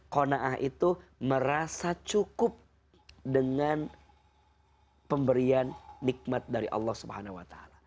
qona'ah itu merasa cukup dengan pemberian nikmat dari allah swt